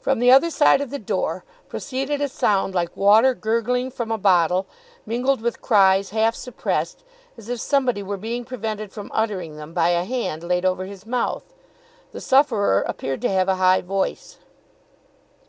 From the other side of the door proceeded a sound like water gurgling from a bottle, mingled with cries half suppressed, as if somebody were being prevented from uttering them by a hand laid over his mouth. The sufferer appeared to have a high voice.